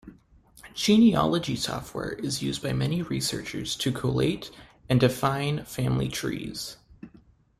Genealogy software is used by many researchers to collate and define family trees.